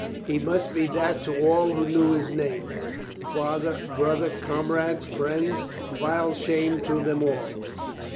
He must be that to all who knew his name, father, brother, comrades, friends, a vile shame to them all.